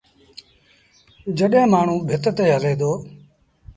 جڏهيݩ مآڻهوٚݩ ڀت هلي دو۔